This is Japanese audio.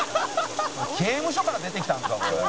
「刑務所から出てきたんすかこれ」